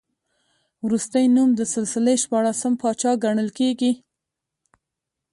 وروستی نوم د سلسلې شپاړسم پاچا ګڼل کېږي.